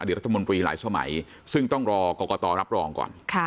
เดี๋ยวรัฐมนตรีหลายสมัยซึ่งต้องรอกรกตรับรองก่อน